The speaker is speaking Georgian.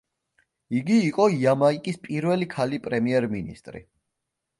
იგი იყო იამაიკის პირველი ქალი პრემიერ-მინისტრი.